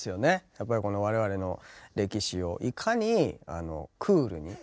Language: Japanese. やっぱりこの我々の歴史をいかにクールに。